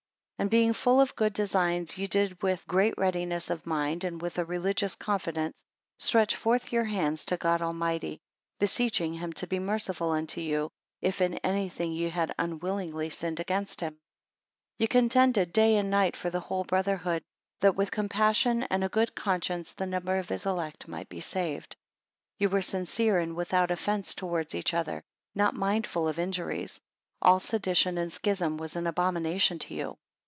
11 And being full of good designs, ye did with, great readiness of mind, and with a religious confidence stretch forth your hands to God Almighty; beseeching him to be merciful unto you, if in anything ye had unwillingly sinned against him. 12 Ye contended day and night for the whole brotherhood; that with compassion and a good conscience, the number of his elect might be saved. 13 Ye were sincere, and without offence towards each other; not mindful of injuries; all sedition and schism was an abomination unto you.